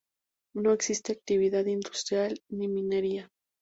No existe actividad industrial ni minería.